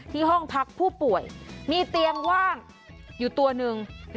ห้องพักผู้ป่วยมีเตียงว่างอยู่ตัวหนึ่ง